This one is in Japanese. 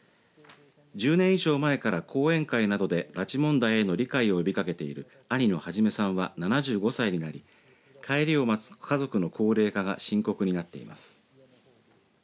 １０年以上前から講演会などで拉致問題への理解を呼びかけている兄の孟さんは７５歳になり帰りを待つ家族の高齢化が深刻になっています。